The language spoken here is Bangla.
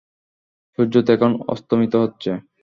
সূর্য তখন অস্তমিত হচ্ছে।